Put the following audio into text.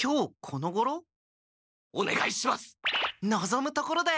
のぞむところだよ！